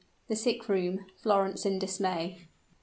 THE SICK ROOM FLORENCE IN DISMAY.